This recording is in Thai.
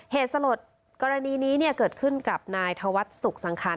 เหตุสลดกรณีนี้เนี่ยเกิดขึ้นกับนายธวัฒน์สุขสังคาร